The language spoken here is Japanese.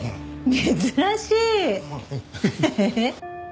珍しい。